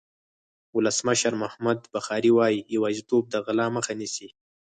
ولسمشر محمد بخاري وایي یوازېتوب د غلا مخه نیسي.